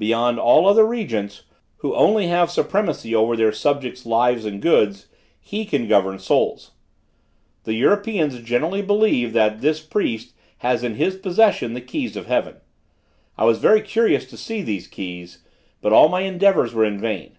Beyond all other regents, who only have supremacy over their subjects' lives and goods, he can govern souls. The Europeans generally believe that this priest has in his possession the keys of heaven. I was very curious to see these keys, but all my endeavors were in vain.